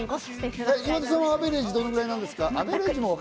岩田さん、アベレージどのくらいですか？